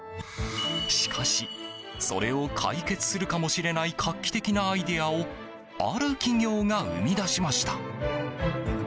しかしそれを解決するかもしれない画期的なアイデアをある企業が生み出しました。